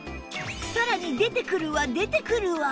さらに出てくるわ出てくるわ！